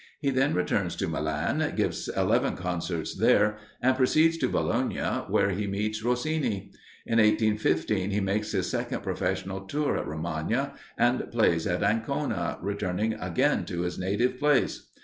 He then returns to Milan, gives eleven concerts there, and proceeds to Bologna, where he meets Rossini. In 1815, he makes his second professional tour in Romagna, and plays at Ancona, returning again to his native place.